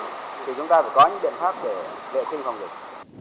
thì chúng ta phải có những biện pháp để vệ sinh phòng dịch